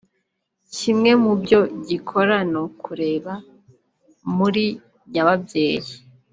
Kimwe mu byo gikora ni ukureba muri nyababyeyi